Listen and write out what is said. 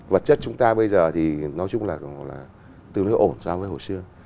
vật chất chúng ta bây giờ thì nói chung là tư nữ ổn so với hồi xưa